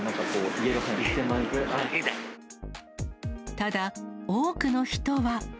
ただ、多くの人は。